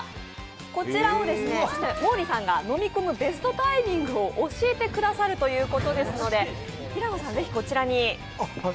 こちらを毛利さんが飲み込むベストタイミングを教えてくださるということですので、平野さん、ぜひ、こちらに。